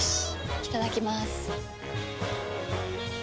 いただきまーす。